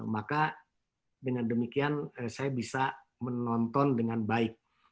maka dengan demikian saya bisa menonton dengan baik